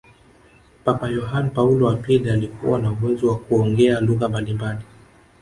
papa yohane paulo wa pili alikuwa na uwezo wa kuongea lugha mbalimbali